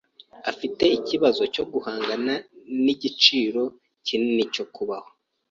afite ikibazo cyo guhangana nigiciro kinini cyo kubaho.